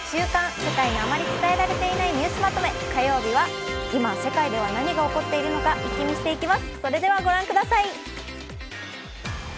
世界のあまり伝えられていないニュースまとめ」火曜日は今、世界では何が起こっているのかイッキ見していきます。